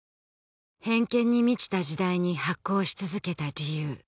偏見に満ちた時代に発行し続けた理由